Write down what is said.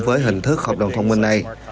với hình thức hợp đồng thông minh này